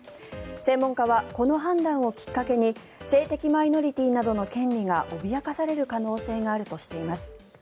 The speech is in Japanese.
専門家はこの判断をきっかけに性的マイノリティーなどの権利が脅かされる可能性があるとしています。